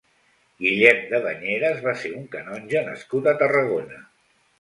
Guillem de Banyeres va ser un canonge nascut a Tarragona.